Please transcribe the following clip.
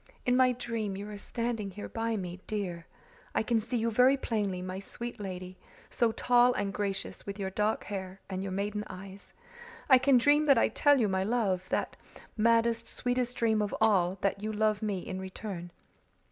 In my dream you are standing here by me, dear. I can see you very plainly, my sweet lady, so tall and gracious, with your dark hair and your maiden eyes. I can dream that I tell you my love; that maddest, sweetest dream of all that you love me in return.